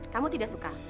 kamu tidak suka